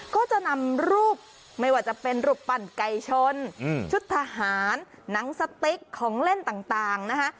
ก็จะนำรูปไม่ว่าจะเป็นรูปปั่นไก่ชนชุดทหารหนังสติ๊กของเล่นต่างนะคะ